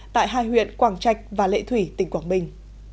tại hai huyện quảng trạch và lệ thủy tỉnh quảng bình